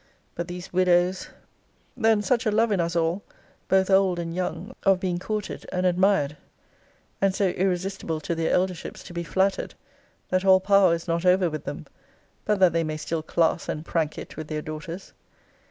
But these widows Then such a love in us all, both old and young, of being courted and admired! and so irresistible to their elderships to be flattered, that all power is not over with them; but that they may still class and prank it with their daughters.